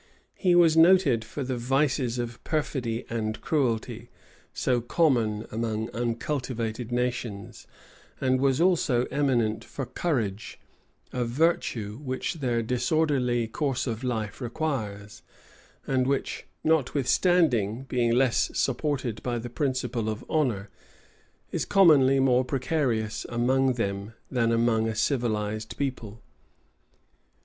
He was noted for the vices of perfidy and cruelty, so common among uncultivated nations; and was also eminent for courage, a virtue which their disorderly course of life requires, and which, notwithstanding, being less supported by the principle of honor, is commonly more precarious among them than among a civilized people.